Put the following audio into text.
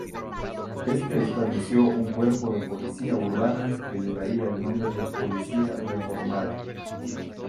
Este estableció un Cuerpo de Policía Urbana que llevaría el nombre de Policía Reformada.